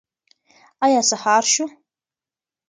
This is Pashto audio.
ایا سهار شو؟